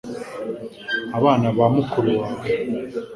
Abana ba mukuru wawe